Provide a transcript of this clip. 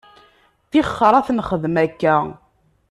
Ṭixer ad t-nxedmet akka.